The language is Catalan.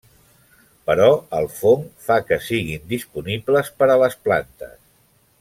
Però el fong fa que siguin disponibles per a les plantes.